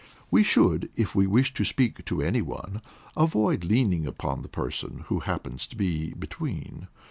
We should, if we wish to speak to any one, avoid leaning upon the person who happens to be between.